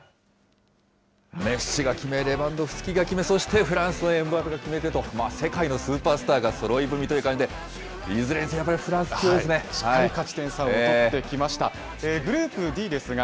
メッシが決め、レバンドフスキが決め、そしてフランスのエムバペが決めてと、世界のスーパースターがそろい踏みという感じで、いずれにせよ、フランスやっぱり強いですね。